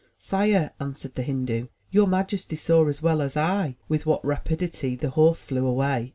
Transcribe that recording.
Sire,*' answered the Hindu, "your majesty saw as well as I with what rapidity the horse flew away.